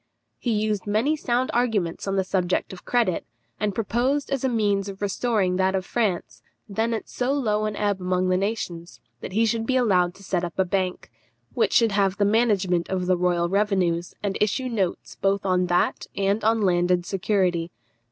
He used many sound arguments on the subject of credit, and proposed as a means of restoring that of France, then at so low an ebb among the nations, that he should be allowed to set up a bank, which should have the management of the royal revenues, and issue notes both on that and on landed security.